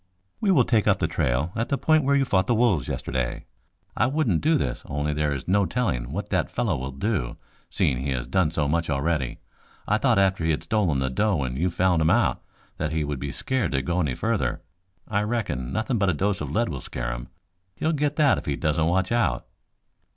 "We will take up the trail at the point where you fought the wolves yesterday. I wouldn't do this only there is no telling what that fellow will do, seeing he has done so much already. I thought after he had stolen the doe and you found him out, that he would be scared to go any further. I reckon nothing but a dose of lead will scare him. He'll get that if he doesn't watch out."